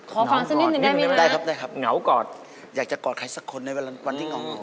ขอฟังสักนิดหนึ่งได้ไหมครับงัวกอดอยากจะกอดใครสักคนในวันที่งัว